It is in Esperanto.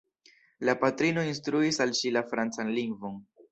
La patrino instruis al ŝi la francan lingvon.